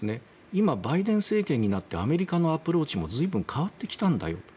今、バイデン政権になってアメリカのアプローチも随分、変わってきたんだよと。